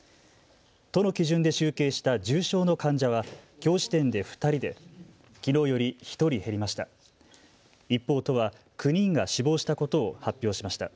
都の基準で集計した重症の患者はきょう時点で２人できのうより１人減りました。